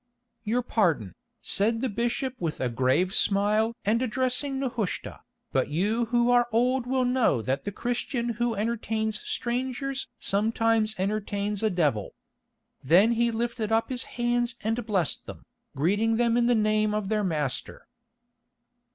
"Your pardon," said the bishop with a grave smile and addressing Nehushta, "but you who are old will know that the Christian who entertains strangers sometimes entertains a devil." Then he lifted up his hands and blessed them, greeting them in the name of their Master.